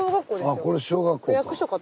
あこれ小学校か。